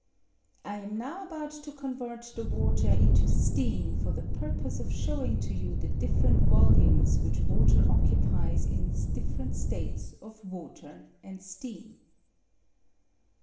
I am now about to convert the water into steam for the purpose of showing to you the different vol umes which water occupies in its different Btates of water and steam.